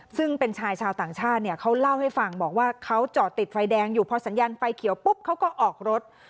ซึ่งเป็นชายชาวต่างชาติเนี่ยเขาเล่าให้ฟังบอกว่าเขาจอดติดไฟแดงอยู่พอสัญญาณไฟเขียวปุ๊บเขาก็ออกรถ